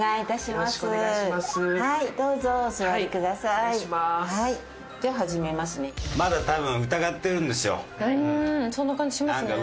まだ多分疑ってるんですよ。